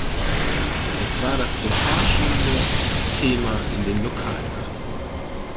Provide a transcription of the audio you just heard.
Es war das beherrschende Thema in den Lokalnachrichten.